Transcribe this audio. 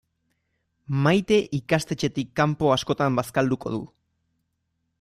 Maite ikastetxetik kanpo askotan bazkalduko du.